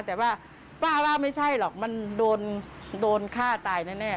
แต่ว่าป้าว่าไม่ใช่หรอกมันโดนฆ่าตายแน่